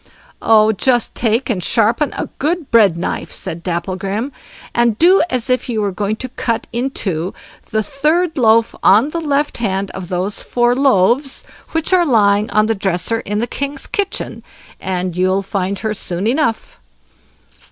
"Oh, just take and sharpen a good bread knife", said Dapplegrim," and do as if you were going to cut in two the third loaf on the left hand of those four loaves which are lying on the dresser in the king's kitchen, and you'll find her soon enough."